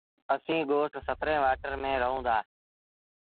اسيٚݩ ڳوٺ سترين وآٽر ميݩ رهوݩ دآ